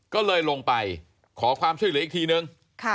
ก็เลยลงไปขอความช่วยเหลืออีกทีนึง